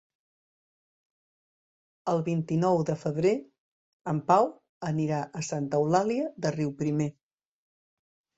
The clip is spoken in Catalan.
El vint-i-nou de febrer en Pau anirà a Santa Eulàlia de Riuprimer.